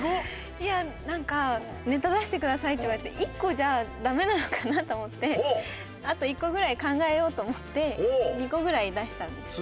いやなんかネタ出してくださいって言われて１個じゃダメなのかなと思ってあと１個ぐらい考えようと思って２個ぐらい出したんです。